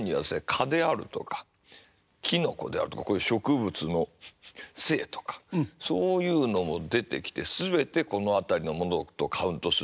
蚊であるとかキノコであるとかこういう植物の精とかそういうのも出てきて全てこの辺りの者とカウントするんですね。